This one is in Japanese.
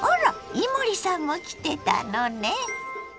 伊守さんも来てたのね。